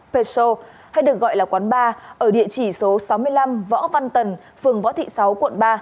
peso hay được gọi là quán bar ở địa chỉ số sáu mươi năm võ văn tần phường võ thị sáu quận ba